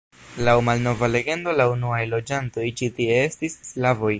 Laŭ malnova legendo la unuaj loĝantoj ĉi tie estis slavoj.